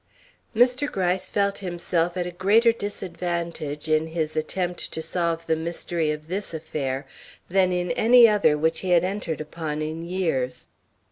Mr. Gryce felt himself at a greater disadvantage in his attempt to solve the mystery of this affair than in any other which he had entered upon in years.